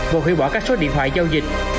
và hủy bỏ các số điện thoại giao dịch